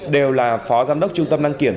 đều là phó giám đốc trung tâm đăng kiểm